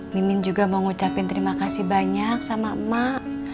mimin juga mau ngucapin terima kasih banyak sama emak